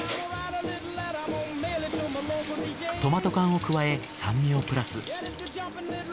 トマト缶を加え酸味をプラス。